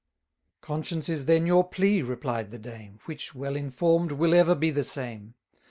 Conscience is then your plea, replied the dame, Which, well inform'd, will ever be the same.